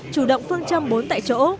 chủ động phương châm bốn tại chỗ